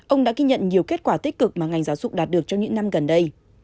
ông đã ghi nhận nhiều kết quả tích cực mà ngành giáo dục đạt được trong những năm gần đây